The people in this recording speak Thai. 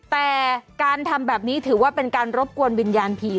แต่การทำแบบนี้ถือว่าเป็นการรบกวนวิญญาณผี